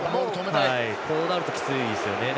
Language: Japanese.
こうなると、きついですよね。